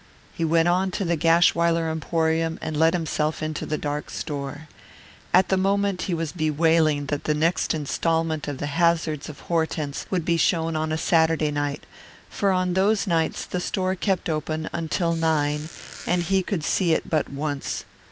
He went on to the Gashwiler Emporium and let himself into the dark store. At the moment he was bewailing that the next installment of The Hazards of Hortense would be shown on a Saturday night, for on those nights the store kept open until nine and he could see it but once.